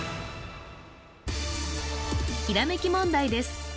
ひらめき問題です